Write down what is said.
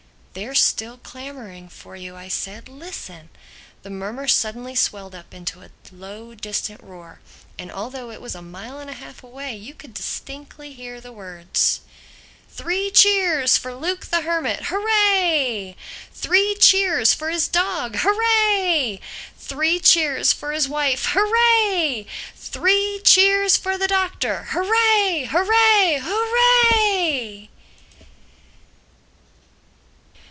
"They're still clamoring for you," I said. "Listen!" The murmur suddenly swelled up into a low distant roar; and although it was a mile and half away you could distinctly hear the words, "Three cheers for Luke the Hermit: Hooray!—Three cheers for his dog: Hooray!—Three cheers for his wife: Hooray!—Three cheers for the Doctor: Hooray! Hooray! HOO R A Y!"